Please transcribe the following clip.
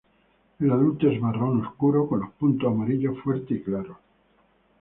El adulto es marrón obscuro con los puntos amarillos fuerte y claro.